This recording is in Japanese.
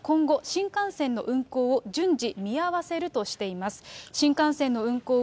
新幹線の運行を順次、見合わせるとしています。